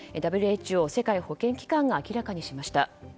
ＷＨＯ・世界保健機関が明らかにしました。